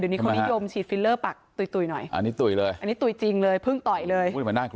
เดี๋ยวนี้คนอิยมฉีดฟิลเลอร์ปากตุ๋ยหน่อยอันนี้ตุ๋ยจริงเลยเพิ่งต่อยเลย